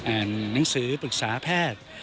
หนังสือปรึกษาแพทย์